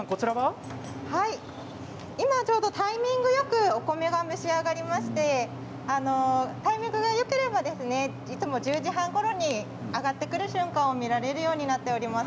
今ちょうどタイミングよくお米が蒸し上がりましてタイミングがよければいつも１０時半ごろに上がってくる瞬間を見られるようになっております。